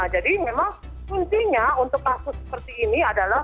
jadi memang kuncinya untuk kasus seperti ini adalah